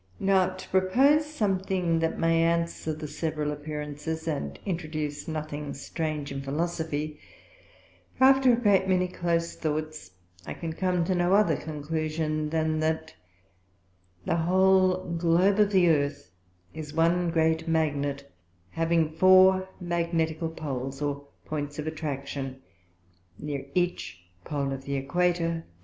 Now to propose something that may answer the several appearances, and introduce nothing strange in Philosophy, after a great many close Thoughts, I can come to no other Conclusion than that, _The whole Globe of the Earth is one great Magnet, having four Magnetical Poles, or Points of Attraction, near each Pole of the Equator.